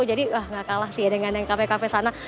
jadi gak kalah sih dengan yang kafe kafe sana